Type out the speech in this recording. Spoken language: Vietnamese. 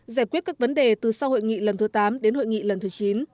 giải quyết các vấn đề từ sau hội nghị lần thứ tám đến hội nghị lần thứ chín